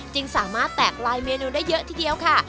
จึงสามารถแตกลายเมนูได้เยอะทีเดียวค่ะ